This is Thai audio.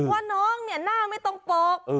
ว่าน้องเนี่ยหน้าไม่ต้องปก